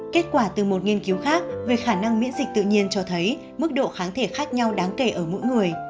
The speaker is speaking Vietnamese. kết quả từ một nghiên cứu khác về khả năng miễn dịch tự nhiên cho thấy mức độ kháng thể khác nhau đáng kể ở mỗi người